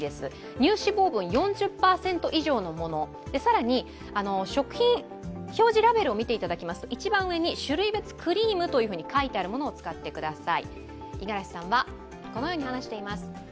乳脂肪分４０％以上のもの、更に食品表示ラベルを見ていただきますと一番上に種類別クリームと書いてあるものを使ってください。